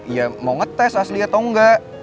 ya mau ngetes asli atau enggak